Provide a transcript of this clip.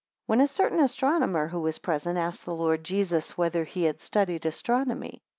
9 When a certain astronomer, who was present, asked the Lord Jesus, Whether he had studied astronomy?